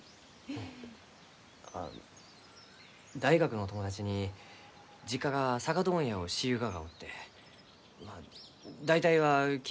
あ大学の友達に実家が酒問屋をしゆうががおってまあ大体は聞いちょったけんど。